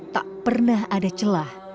tak pernah ada celah